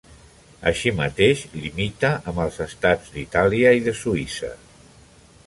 Així mateix, limita amb els estats d'Itàlia i de Suïssa.